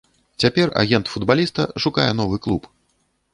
Цяпер агент футбаліста шукае новы клуб.